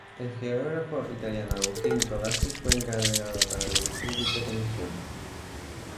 El geógrafo italiano Agustín Codazzi fue encargado para dirigir dicha comisión.